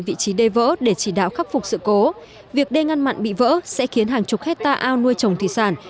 vị trí đê vỡ để chỉ đạo khắc phục sự cố việc đê ngăn mặn bị vỡ sẽ khiến hàng chục hectare ao nuôi trồng thủy sản